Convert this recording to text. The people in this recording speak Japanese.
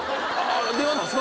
電話だす